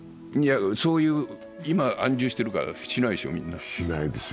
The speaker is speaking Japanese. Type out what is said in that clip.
いや、今、安住してるからしないですよ、みんな。